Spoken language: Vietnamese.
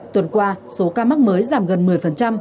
tuần qua số ca mắc mới giảm gần một mươi